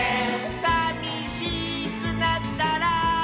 「さみしくなったら」